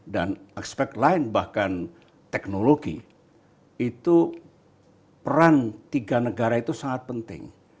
aspek lain bahkan teknologi itu peran tiga negara itu sangat penting